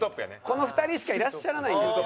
この２人しかいらっしゃらないんですよ。